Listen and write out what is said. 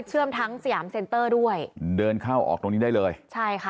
ทั้งสยามเซ็นเตอร์ด้วยเดินเข้าออกตรงนี้ได้เลยใช่ค่ะ